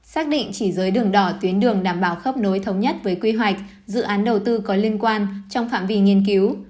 xác định chỉ giới đường đỏ tuyến đường đảm bảo khớp nối thống nhất với quy hoạch dự án đầu tư có liên quan trong phạm vi nghiên cứu